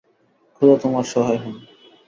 খোদা তোমার সহায় হোন।